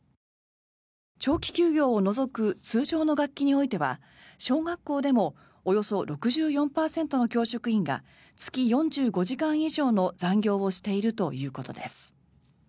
長期休業を除く通常の学期においては小学校でもおよそ６４％の教職員が月４５時間以上の残業をしているということです。